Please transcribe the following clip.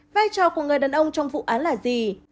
vai trò của người đàn ông trong vụ án là gì